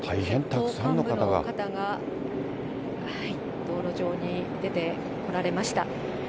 たくさんの方が、道路上に出てこられました。